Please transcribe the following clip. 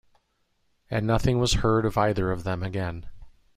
And nothing was heard of either of them again.